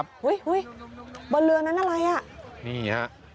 บนเรือนั้นอะไร